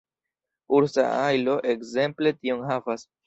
Ursa ajlo ekzemple tion havas.